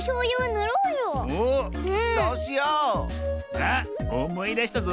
あっおもいだしたぞ。